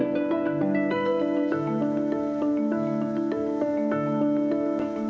sekurangnya tujuh ekor harimau sumatera lain juga dirawat di lokasi ini